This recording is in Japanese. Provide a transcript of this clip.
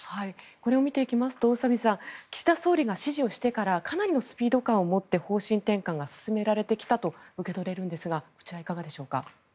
これを見ていきますと宇佐美さん岸田総理が指示をしてからかなりのスピード感を持って方針転換が進められてきたと受け取れるんですがこちら、いかがでしょうか。